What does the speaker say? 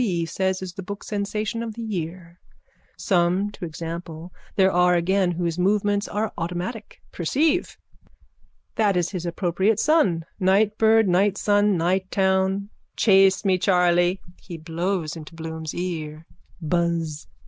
B. says is the book sensation of the year. Some, to example, there are again whose movements are automatic. Perceive. That is his appropriate sun. Nightbird nightsun nighttown. Chase me, Charley! (He blows into Bloom's ear.) Buzz!